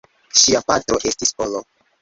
Ŝia patro estis Polo.